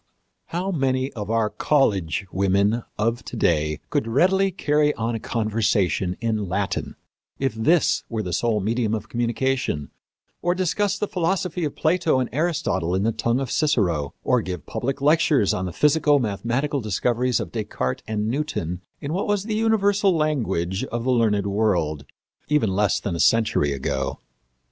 How many of our college women of to day could readily carry on a conversation in Latin, if this were the sole medium of communication, or discuss the philosophy of Plato and Aristotle in the tongue of Cicero, or give public lectures on the physico mathematical discoveries of Descartes and Newton in what was the universal language of the learned world, even less than a century ago?